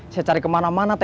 saya cari kemana mana